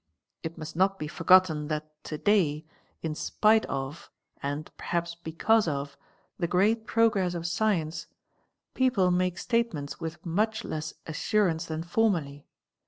It must not De forgotten that to day, in spite of, and perhaps because of, the great progress of science, people make statements with much less assurance than formerly.